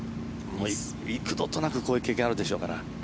幾度となくこういう経験あるでしょうから。